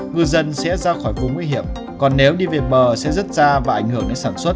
ngư dân sẽ ra khỏi vùng nguy hiểm còn nếu đi về bờ sẽ rất ra và ảnh hưởng đến sản xuất